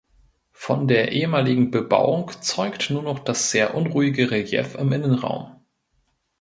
Von der ehemaligen Bebauung zeugt nur noch das sehr unruhige Relief im Innenraum.